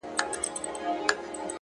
چي مي بایللی و; وه هغه کس ته ودرېدم ;